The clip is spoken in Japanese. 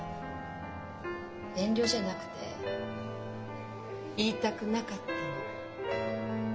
遠慮じゃなくて言いたくなかったの。